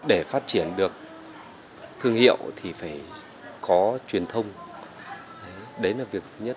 để phát triển được thương hiệu thì phải có truyền thông đấy là việc nhất